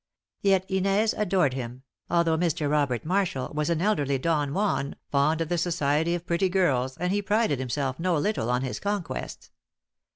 Yet Inez adored him, although Mr. Robert Marshall was an elderly Don Juan, fond of the society of pretty girls, and he prided himself no little on his conquests.